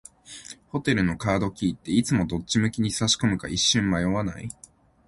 ホテルのカードキーって、いつもどっち向きに差し込むか一瞬迷わない？